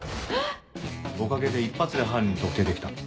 おかげで一発で犯人特定できた。